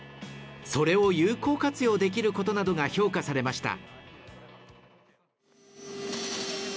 それを有効活用できることなどが評価されました